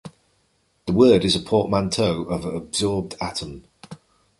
The word is a portmanteau of "adsorbed atom".